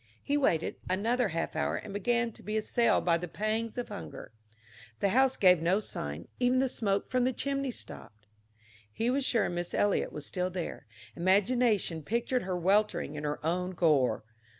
He waited another half hour and began to be assailed by the pangs of hunger. The house gave no sign; even the smoke from the chimney stopped. He was sure Miss Eliot was still there; imagination pictured her weltering in her own gore.